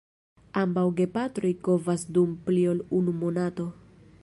Ambaŭ gepatroj kovas dum pli ol unu monato.